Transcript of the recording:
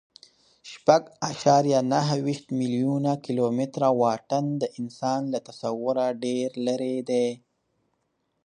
شپږ اعشاریه نهه ویشت میلیونه کیلومتره واټن د انسان له تصوره ډېر لیرې دی.